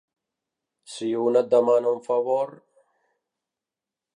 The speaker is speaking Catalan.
Si un et demana un favor...